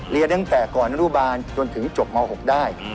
เรียนตั้งแต่ก่อนรูปราณถึงจบม๖ได้